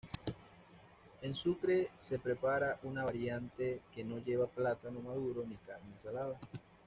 En Sucre se prepara una variante que no lleva plátano maduro ni carne salada.